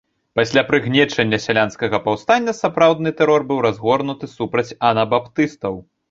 Пасля прыгнечання сялянскага паўстання сапраўдны тэрор быў разгорнуты супраць анабаптыстаў.